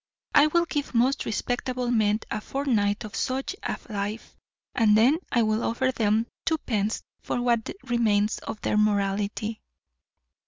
I will give most respectable men a fortnight of such a life, and then I will offer them twopence for what remains of their morality.